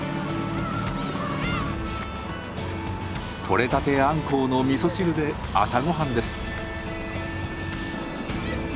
取れたてアンコウのみそ汁で朝ごはんです。